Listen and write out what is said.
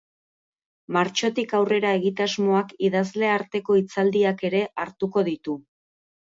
Martxotik aurrera egitasmoak idazle arteko hitzaldiak ere hartuko ditu.